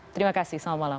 terima kasih selamat malam